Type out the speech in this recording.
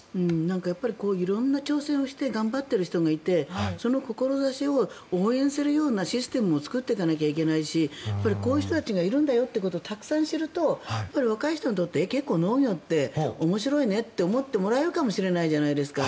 色んな挑戦をして頑張っている人がいてその志を応援するようなシステムを作っていかなきゃいけないしこういう人たちがいるんだよということをたくさん知ると、若い人に結構農業って面白いねって思ってもらえるかもしれないじゃないですか。